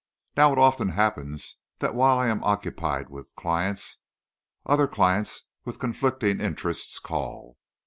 Now it often happens that while I am occupied with clients, other clients with conflicting interests call.